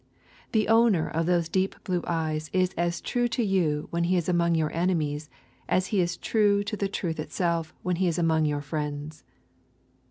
The owner of those deep blue eyes is as true to you when he is among your enemies as he is true to the truth itself when he is among your friends.